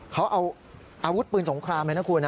เขาเอาอาวุธปืนสงครามนะครับคุณฮะ